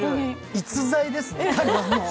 逸材ですね。